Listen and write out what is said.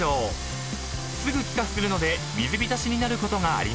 ［すぐ気化するので水浸しになることがありません］